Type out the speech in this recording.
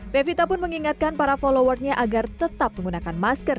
pevita pun mengingatkan para followernya agar tetap menggunakan masker